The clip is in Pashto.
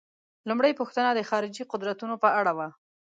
لومړۍ پوښتنه د خارجي قدرتونو په اړه وه.